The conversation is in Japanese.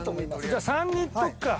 じゃ３にいっとくか。